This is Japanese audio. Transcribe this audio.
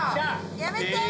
やめて！